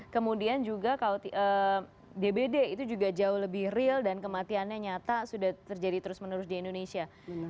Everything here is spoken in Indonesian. kemudian juga kalau dbd itu juga jauh lebih real dan kematiannya nyata sudah terjadi terus menerus di indonesia